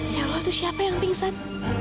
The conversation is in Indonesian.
ya allah tuh siapa yang pingsan